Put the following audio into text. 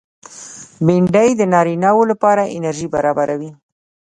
بېنډۍ د نارینه و لپاره انرژي برابروي